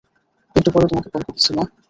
একটু পরে তোমাকে কল করতেছি মা।